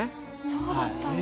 そうだったんだ。